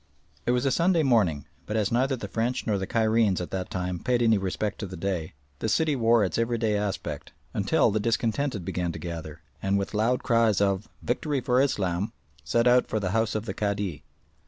It was a Sunday morning, but as neither the French nor the Cairenes at that time paid any respect to the day, the city wore its everyday aspect, until the discontented began to gather, and with loud cries of "Victory for Islam!" set out for the house of the Cadi.